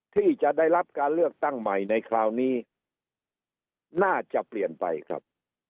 ที่จะได้รับการเลือกตั้งใหม่ในคราวนี้น่าจะเปลี่ยนไปครับ